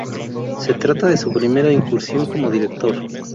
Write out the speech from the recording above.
Se trata de su primera incursión como director.